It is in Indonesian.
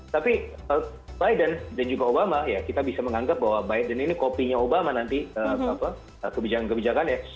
tapi biden dan juga obama ya kita bisa menganggap bahwa biden ini kopinya obama nanti kebijakan kebijakannya